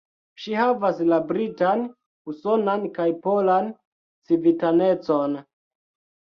Ŝi havas la britan, usonan kaj polan civitanecon.